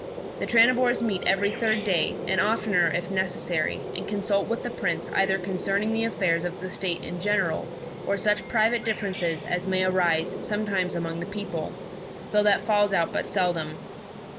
The Tranibors meet every third day, and oftener if necessary, and consult with the Prince either concerning the affairs of the State in general, or such private differences as may arise sometimes among the people, though that falls out but seldom.